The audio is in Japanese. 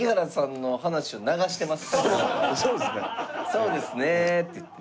そうですねって。